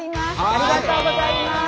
ありがとうございます。